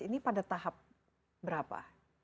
ini pada tahap berapa